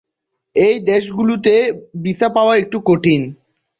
এই দেশগুলোতে ভিসা পাওয়া একটু কঠিন।